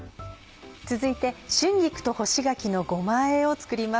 続いて春菊と干し柿のごまあえを作ります。